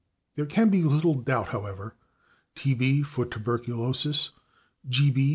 There can be little doubt, however, about /T. B./ (for /tuberculosis/), /G.